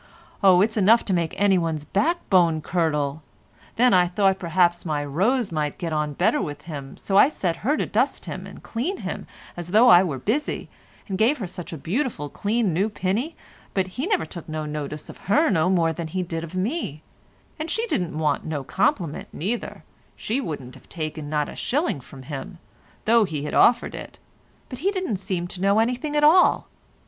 Oh, it's enough to make anyone's back bone curdle. Then I thought perhaps my Rose might get on better with him, so I set her to dust him and clean him as though I were busy, and gave her such a beautiful clean new pinny, but he never took no notice of her no more than he did of me, and she didn't want no compliment neither, she wouldn't have taken not a shilling from him, though he had offered it, but he didn't seem to know anything at all.